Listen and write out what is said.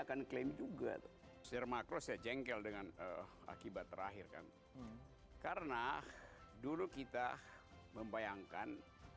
belum klaim juga sermakro saya jengkel dengan akibat terakhir kan karena dulu kita membayangkan